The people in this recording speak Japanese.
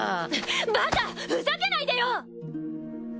バカふざけないでよ！